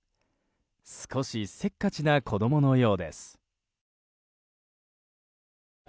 少しせっかちな子供のようです。